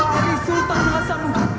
kri sultan masamudin